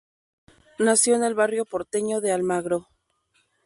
Nació en el barrio porteño de Almagro.